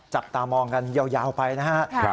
จับตามองกันยาวไปนะครับ